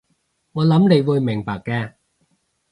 我諗你會明白嘅